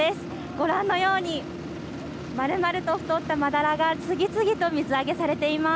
ご覧のようにまるまると太ったマダラが次々と水揚げされています。